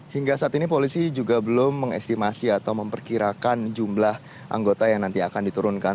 hingga saat ini polisi juga belum mengestimasi atau memperkirakan jumlah anggota yang nanti akan diturunkan